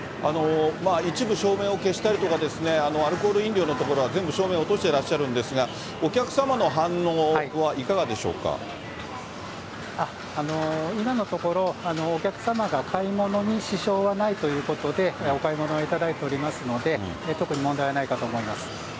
一部照明を消したりとか、アルコール飲料の所は全部照明落としてらっしゃるんですが、お客今のところ、お客様が買い物に支障はないということで、お買い物をいただいておりますので、特に問題はないかと思います。